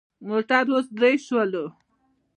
موږ اوس درې شولو.